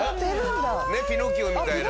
ねっピノキオみたいな。